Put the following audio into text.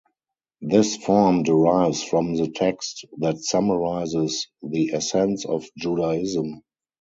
This form derives from the text that summarizes the essence of Judaism.